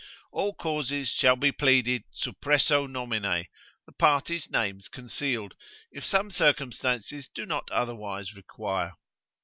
All causes shall be pleaded suppresso nomine, the parties' names concealed, if some circumstances do not otherwise require.